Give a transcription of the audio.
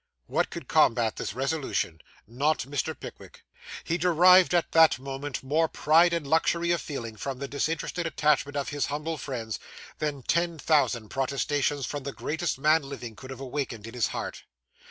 Who could combat this resolution? Not Mr. Pickwick. He derived, at that moment, more pride and luxury of feeling from the disinterested attachment of his humble friends, than ten thousand protestations from the greatest men living could have awakened in his heart.